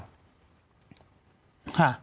ค่ะ